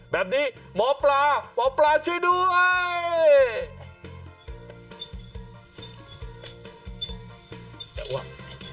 แบบนี้หมอปลาหมอปลาช่วยด้วย